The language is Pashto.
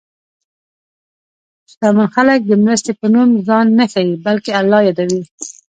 شتمن خلک د مرستې په نوم ځان نه ښيي، بلکې الله یادوي.